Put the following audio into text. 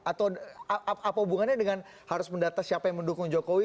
atau apa hubungannya dengan harus mendata siapa yang mendukung jokowi